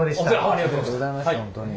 ありがとうございました本当に。